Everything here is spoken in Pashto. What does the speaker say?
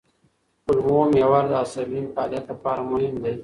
کولمو محور د عصبي فعالیت لپاره مهم دی.